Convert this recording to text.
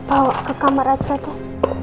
bawa ke kamar aja deh